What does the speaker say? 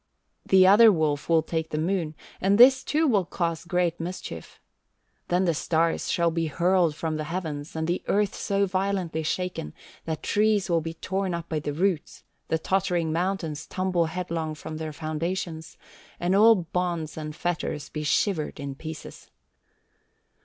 The other wolf will take the moon, and this too will cause great mischief. Then the stars shall be hurled from the heavens, and the earth so violently shaken that trees will be torn up by the roots, the tottering mountains tumble headlong from their foundations, and all bonds and fetters be shivered in pieces.